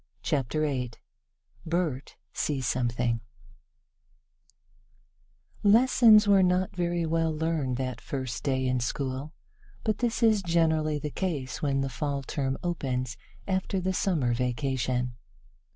CHAPTER VIII BERT SEES SOMETHING LESSONS were not very well learned that first day in school, but this is generally the case when the Fall term opens after the Summer vacation.